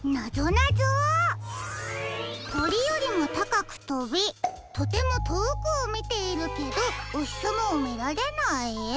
「とりよりもたかくとびとてもとおくをみているけどおひさまをみられない」？